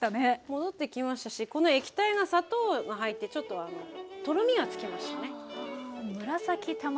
戻ってきましたしこの液体が砂糖が入ってちょっとあのとろみがつきましたね。